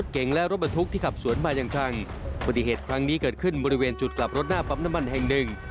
ขึ้นบริเวณจุดกลับรถหน้าปั๊บน้ำมันแห่งหนึ่ง